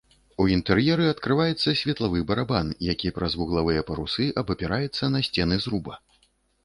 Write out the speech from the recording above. У інтэр'еры адкрываецца светлавы барабан, які праз вуглавыя парусы абапіраецца на сцены зруба.